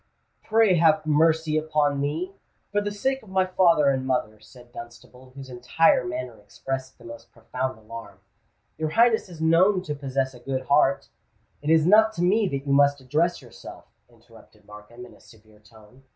"Pray have mercy upon me—for the sake of my father and mother!" said Dunstable, whose entire manner expressed the most profound alarm. "Your Highness is known to possess a good heart——" "It is not to me that you must address yourself," interrupted Markham, in a severe tone.